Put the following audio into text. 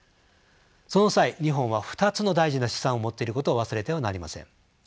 その際日本は２つの大事な資産を持っていることを忘れてはなりません。